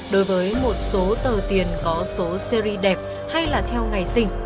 đối với một số tờ tiền có số series đẹp hay là theo ngày sinh